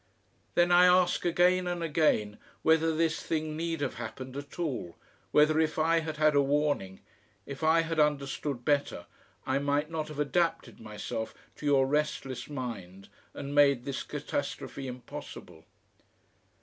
"Then I ask again and again whether this thing need have happened at all, whether if I had had a warning, if I had understood better, I might not have adapted myself to your restless mind and made this catastrophe impossible....